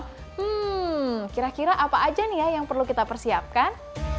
hmm kira kira apa aja nih ya yang perlu kita persiapkan